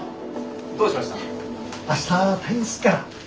どうしました？